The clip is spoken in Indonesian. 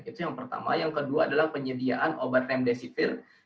itu yang pertama yang kedua adalah penyediaan obat remdesivir